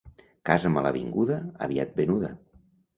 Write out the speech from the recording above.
Casa malavinguda, aviat venuda.